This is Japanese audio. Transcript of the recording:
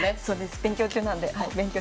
勉強中なので。